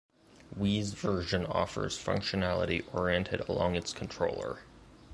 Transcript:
Wii’s version offers functionality oriented along its controller.